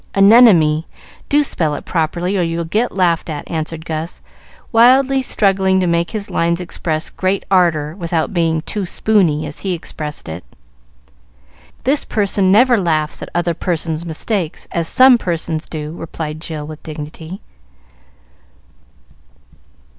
"Anemone; do spell it properly, or you'll get laughed at," answered Gus, wildly struggling to make his lines express great ardor, without being "too spoony," as he expressed it. "No, I shouldn't. This person never laughs at other persons' mistakes, as some persons do," replied Jill, with dignity.